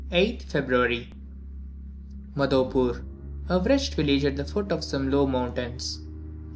8th February. Madopoor, a wretched village at the foot of some low mountains.